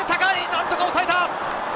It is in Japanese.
何とか抑えた！